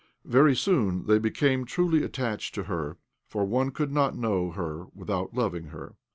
Very soon they became truly attached to her, for one could not know her without loving her.